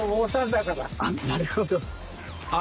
あっなるほど。